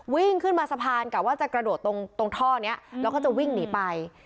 วิ่งขึ้นมาสะพานกะว่าจะกระโดดตรงท่อนี้แล้วก็จะวิ่งหนีไป